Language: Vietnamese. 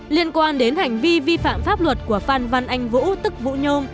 liên quan đến hành vi vi phạm pháp luật của phan văn anh vũ tức vũ nhôm